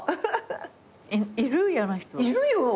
いるよ！